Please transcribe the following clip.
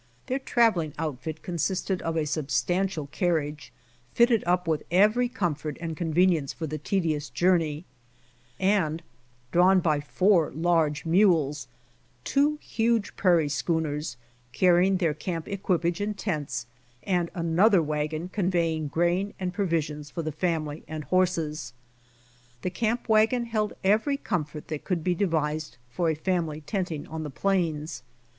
Their traveling outfit consisted of a substantial carriage fitted up with every comfort and convenience for the tedious journey, and drawn by four large mules, two huge prairie schooners carrying their camp equipage and tents, and another wagon convey ing grain and provisions for the family and horses, The camp wagon held every comfort that could be devised for a family tenting on the plains.